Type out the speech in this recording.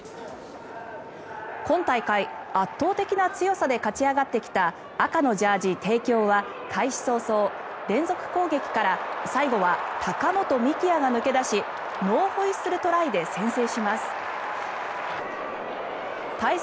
今大会、圧倒的な強さで勝ち上がってきた赤のジャージー、帝京は開始早々連続攻撃から最後は高本幹也が抜け出しノーホイッスルトライで先制します。